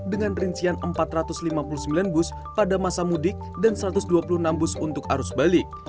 dengan rincian empat ratus lima puluh sembilan bus pada masa mudik dan satu ratus dua puluh enam bus untuk arus balik